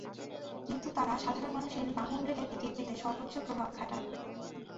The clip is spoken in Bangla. কিন্তু তাঁরা সাধারণ মানুষের বাহন রেলের টিকিট পেতে সর্বোচ্চ প্রভাব খাটান।